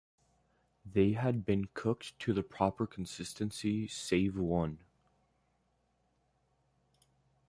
They had been cooked to the proper consistency save one.